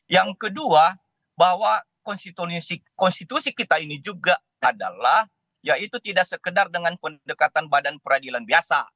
yang kedua bahwa konstitusi kita ini juga adalah ya itu tidak sekedar dengan pendekatan badan peradilan biasa